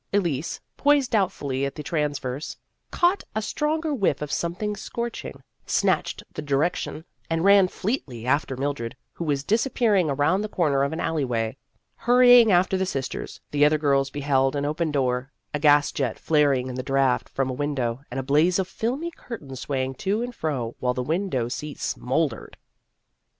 Elise, poised doubtfully at the transverse, caught a stronger whiff of something scorching, snatched the direction, and ran fleetly after Mildred, who was disappearing around the corner of an alley way. Hurrying af ter the sisters, the other girls beheld an open door, a gas jet flaring in the draught from a window, and a blaze of filmy cur tains swaying to and fro, while the window seat smouldered.